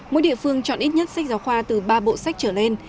mỗi địa phương chọn ít nhất sách giáo khoa từ ba bộ sách trở lên